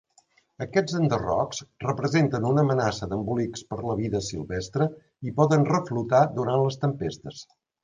Aquests enderrocs representen una amenaça d'embolics per a la vida silvestre i poden reflotar durant les tempestes.